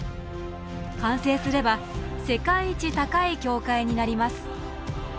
完成すれば世界一高い教会になります。